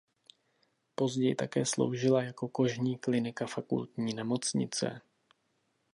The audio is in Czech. Později také sloužila jako kožní klinika fakultní nemocnice.